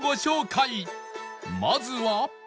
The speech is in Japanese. まずは